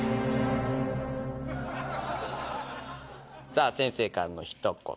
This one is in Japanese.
さあ先生からの一言。